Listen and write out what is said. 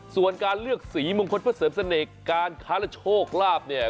ส่วนการเลือกสีมงคลเพื่อเสริมเสน่ห์การค้าและโชคลาภเนี่ย